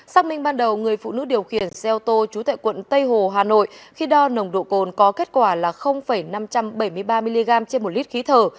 xác minh ban đầu người phụ nữ điều khiển xe ô tô trú tại quận tây hồ hà nội khi đo nồng độ cồn có kết quả là năm trăm bảy mươi ba mg trên một lít khí thở